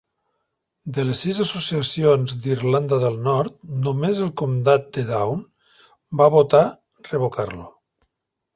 De les sis associacions d'Irlanda del Nord, només el comtat de Down va votar revocar-lo.